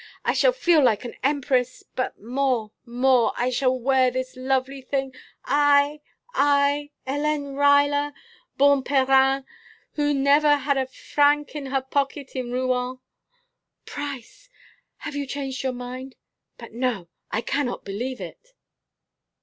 I shall feel like an empress but more, more, I shall wear this lovely thing I, I, Hélène Ruyler, born Perrin, who never had a franc in her pocket in Rouen! Price! Have you changed your mind but no! I cannot believe it."